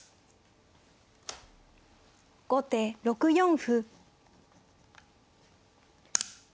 後手６四歩。